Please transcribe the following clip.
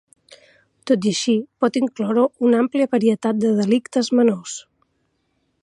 Tot i així, pot incloure una àmplia varietat de delictes menors.